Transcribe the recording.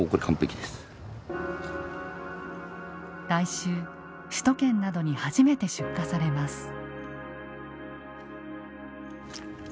来週首都圏などに初めて出荷されます。